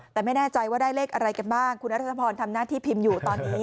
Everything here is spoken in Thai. แต่ไม่แน่ใจว่าได้เลขอะไรกันบ้างคุณรัชพรทำหน้าที่พิมพ์อยู่ตอนนี้